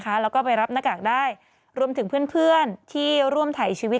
แล้วก็ไปรับหน้ากากได้รวมถึงเพื่อนเพื่อนที่ร่วมถ่ายชีวิต